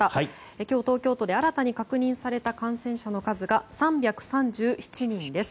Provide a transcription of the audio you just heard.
今日東京都で新たに確認された感染者の数が３３７人です。